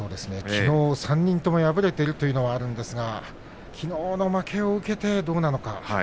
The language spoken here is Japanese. きのう３人とも敗れているというのはあるんですがきのうの負けを受けてどうなのか。